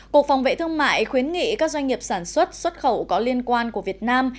cục phòng vệ thương mại khuyến nghị các doanh nghiệp sản xuất xuất khẩu có liên quan của việt nam